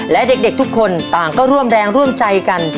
และเด็กทุกคนต่างก็ร่วมแรงร่วมใจกัน